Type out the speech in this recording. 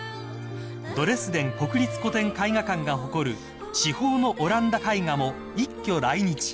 ［ドレスデン国立古典絵画館が誇る至宝のオランダ絵画も一挙来日］